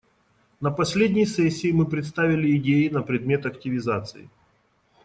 На последней сессии мы представили идеи на предмет активизации.